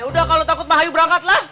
yaudah kalau takut mahayu berangkat lah